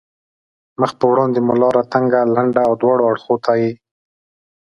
مخ په وړاندې لار مو تنګه، لنده او دواړو اړخو ته یې.